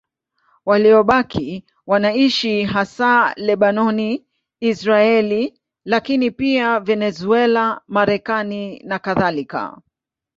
Waliobaki wanaishi hasa Lebanoni, Israeli, lakini pia Venezuela, Marekani nakadhalika.